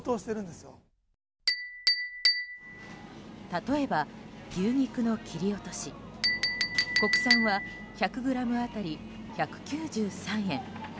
例えば牛肉の切り落とし国産は１００ｇ当たり１９３円